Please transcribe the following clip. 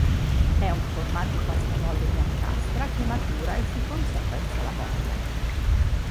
È un formaggio a pasta molle biancastra, che matura e si conserva in salamoia.